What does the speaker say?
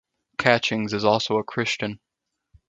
Catchings is also a Christian.